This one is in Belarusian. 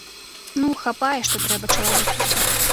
Ну, хапае, што трэба чалавеку.